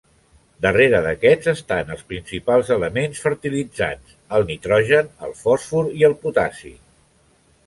Darrere d'aquests estan els principals elements fertilitzants, el nitrogen, el fòsfor, i el potassi.